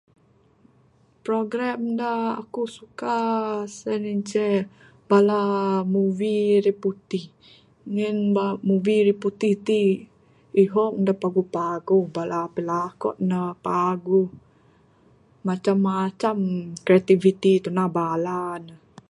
Program da ekuk suka sien ce, bala movie riputih, ngin ba movie riputih tik ihong dek paguh-paguh bala pelakon ne paguh. Macam-macam kreativiti tundah bala ne.